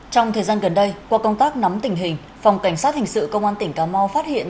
trong thời gian gần đây qua công tác nắm tình hình phòng cảnh sát hình sự công an tỉnh cà mau phát hiện